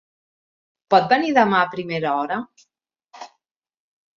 Pot venir demà a primera hora?